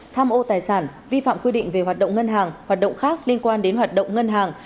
tham ô tài sản vi phạm quy định về hoạt động ngân hàng hoạt động khác liên quan đến hoạt động ngân hàng